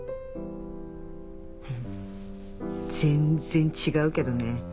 全然違うけどね。